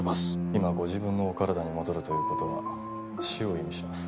今ご自分のお体に戻るという事は死を意味します。